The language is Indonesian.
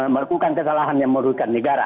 melakukan kesalahan yang merugikan negara